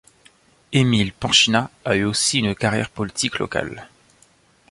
Émile Penchinat a eu aussi une carrière politique locale.